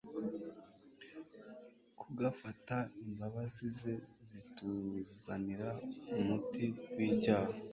kugafata imbabazi ze zituzanira umuti w'icyaha.